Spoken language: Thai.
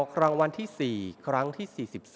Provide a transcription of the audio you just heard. รางวัลที่๔ครั้งที่๔๒